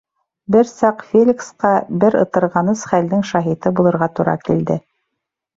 Бер саҡ Феликсҡа бер ытырғаныс хәлдең шаһиты булырға тура килде.